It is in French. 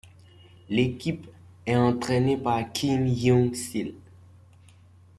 L'équipe est entraînée par Kim Hyung-sil.